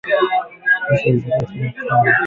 Polisi walikizuia chama kufanya mikutano